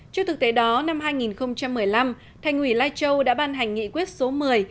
trước thực tế đó năm hai nghìn một mươi năm thành ủy lai châu đã ban hành nghị quyết số một mươi